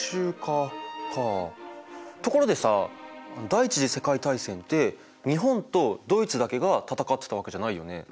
第一次世界大戦って日本とドイツだけが戦ってたわけじゃないよね。